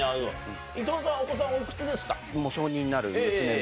伊藤さんはお子さんおいくつですか？